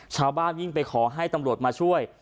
ชาวบ้านยิ่งไปขอให้ตำรวจมาช่วย